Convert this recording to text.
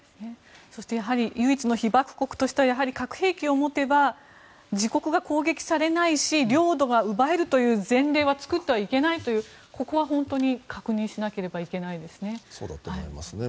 そして、やはり唯一の被爆国としては核兵器を持てば自国が攻撃されないし領土が奪えるという前例は作ってはいけないとここは本当に確認しなければいけないですね。